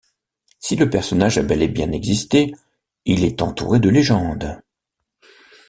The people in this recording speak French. Si le personnage a bel et bien existé, il est entouré de légendes.